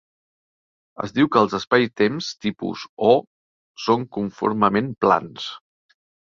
Es diu que els espaitemps tipus O són conformement plans.